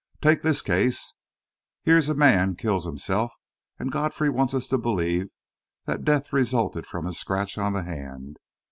Take this case. Here's a man kills himself, and Godfrey wants us to believe that death resulted from a scratch on the hand.